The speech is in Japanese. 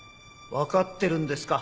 分かってるんですか？